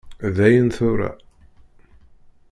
Dayen tura.